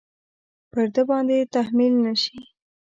پر ده باندې تحمیل نه شي.